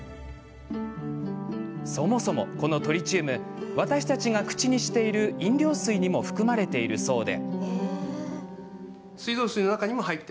そもそも、このトリチウム私たちが口にしている飲料水にも含まれているそうで。